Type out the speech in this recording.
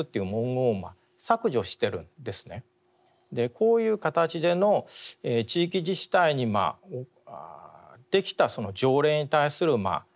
こういう形での地域自治体にできた条例に対する反対運動